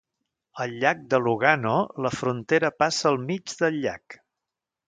Al llac de Lugano, la frontera passa al mig del llac.